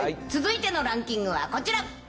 続いてのランキングはこちら。